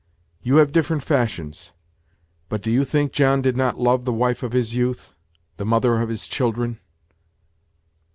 You have different fashions; but do you think John did not love the wife of his youth the mother of his children?"